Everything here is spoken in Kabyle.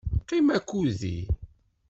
Qqim akked-i.